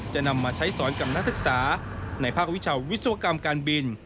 จะนำมาใช้สอนกับนักศึกษาในภาควิชาวิศวกรรมการบิน